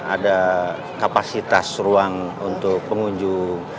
ada kapasitas ruang untuk pengunjung